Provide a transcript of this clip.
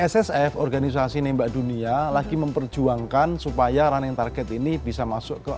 ssf organisasi nembak dunia lagi memperjuangkan supaya running target ini bisa masuk ke